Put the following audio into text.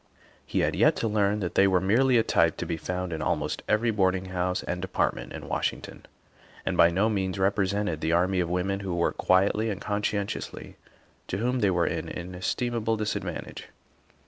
He had yet to learn that they were merely a type to be found in almost every boarding house and department in Washington, and by no means represented the army of women who work quietly and conscientiously, to whom they are an in estimable disadvantage.